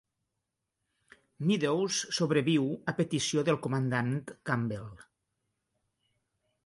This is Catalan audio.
Meadows sobreviu a petició del comandant Campbell.